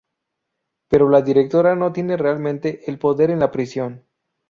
Pero la directora no tiene realmente el poder en la prisión.